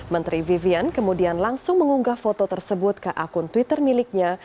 menteri vivian kemudian langsung mengunggah foto tersebut ke akun twitter miliknya